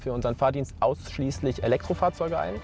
เราต้องใช้ฝ่าดินสินค้าที่สุดในเมืองแค่แฟลกโฟร์